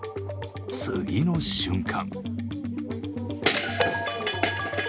次の瞬間